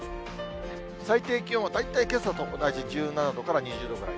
最低気温は大体けさと同じ１７度から２０度ぐらい。